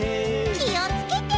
きをつけて。